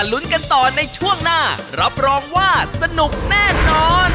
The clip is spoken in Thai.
ถูกที่สุด